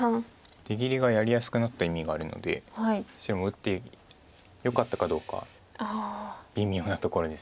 出切りがやりやすくなった意味があるので白も打ってよかったかどうか微妙なところです。